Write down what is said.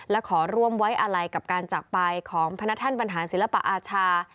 และขอร่วมไว้อะไรกับการจากไปของพนักท่านบรรหารศิลปอาชา